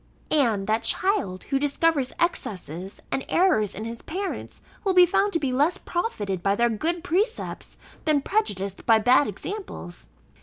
And that child, who discovers excesses and errors in his parents, will be found to be less profited by their good precepts, than prejudiced by bad examples.